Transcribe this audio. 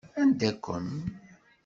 Anda-kem?